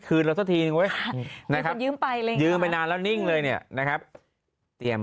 เราสักทีนึงไว้นะครับยืมไปนานแล้วนิ่งเลยเนี่ยนะครับเตรียม